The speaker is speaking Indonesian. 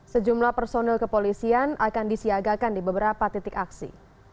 sejumlah personil kepolisian akan disiagakan di beberapa titik aksi